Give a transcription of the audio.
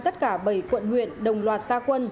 tất cả bảy quận huyện đồng loạt xa quân